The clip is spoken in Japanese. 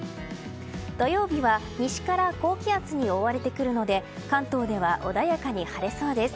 土曜日は西から高気圧に覆われてくるので関東では穏やかに晴れそうです。